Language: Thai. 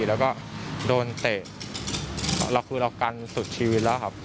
แล้วก็โดนเตะเราคือเรากันสุดชีวิตแล้วครับ